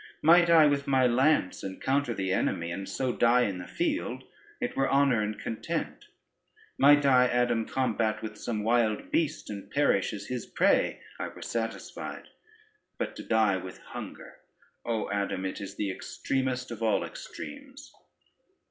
Might I with my lance encounter the enemy, and so die in the field, it were honor and content: might I, Adam, combate with some wild beast and perish as his prey, I were satisfied; but to die with hunger, O Adam, it is the extremest of all extremes!"